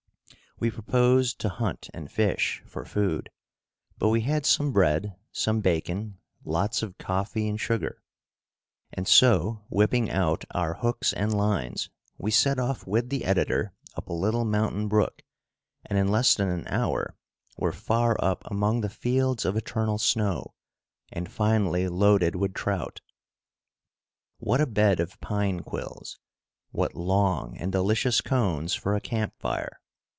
We proposed to hunt and fish, for food. But we had some bread, some bacon, lots of coffee and sugar. And so, whipping out our hooks and lines, we set off with the editor up a little mountain brook, and in less than an hour were far up among the fields of eternal snow, and finely loaded with trout. What a bed of pine quills! What long and delicious cones for a camp fire!